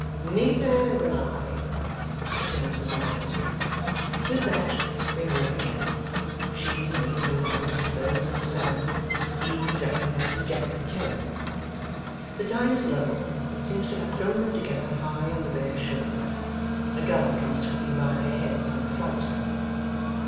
'Neither will I,' returns the bridegroom. With that, they walk again; she, making those angry spirts in the sand; he, dragging that dejected tail. The tide is low, and seems to have thrown them together high on the bare shore. A gull comes sweeping by their heads and flouts them.